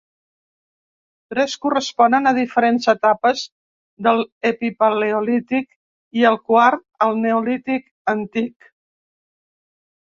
Tres corresponen a diferents etapes de l’Epipaleolític i el quart al Neolític antic.